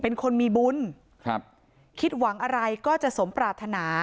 เป็นคนมีบุญครับคิดหวังอะไรก็จะสมปรารถนา